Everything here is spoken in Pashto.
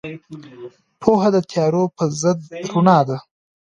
پوهه د تیارو پر ضد رڼا ده.